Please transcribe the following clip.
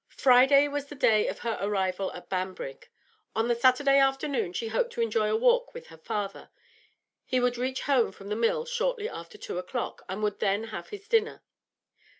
Friday was the day of her arrival at Banbrigg. On the Saturday afternoon she hoped to enjoy a walk with her father; he would reach home from the mill shortly after two o'clock, and would then have his dinner.